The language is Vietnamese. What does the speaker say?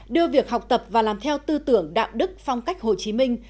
đưa việc học tập và làm theo tư tưởng đạo đức phong cách hồ chí minh